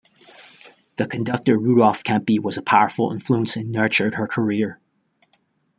The conductor Rudolf Kempe was a powerful influence and nurtured her career.